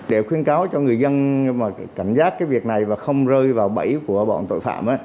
để khuyên cáo cho người dân mà cảnh giác cái việc này và không rơi vào bẫy của bọn tội phạm